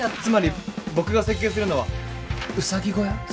つまり僕が設計するのはうさぎ小屋？